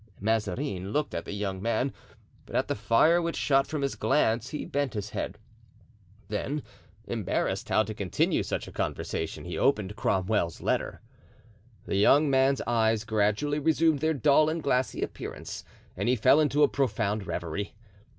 Mazarin looked at the young man, but at the fire which shot from his glance he bent his head; then, embarrassed how to continue such a conversation, he opened Cromwell's letter. The young man's eyes gradually resumed their dull and glassy appearance and he fell into a profound reverie.